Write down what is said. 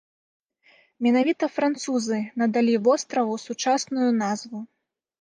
Менавіта французы надалі востраву сучасную назву.